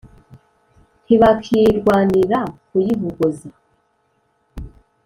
ntibakirwanira kuyihogoza